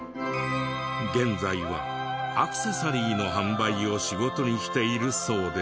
現在はアクセサリーの販売を仕事にしているそうですが。